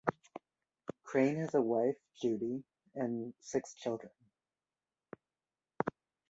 Crane has a wife, Judy, and six children.